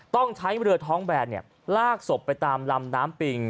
ต้องใช้เรือท้องแบนลากศพไปตามลำน้ำปิง